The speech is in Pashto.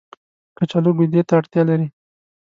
کچالو ګودې ته اړتيا لري